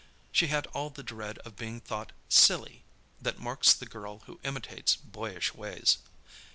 She had all the dread of being thought "silly" that marks the girl who imitates boyish ways.